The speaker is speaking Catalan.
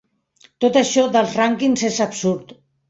Tot això dels rànquings és absurd.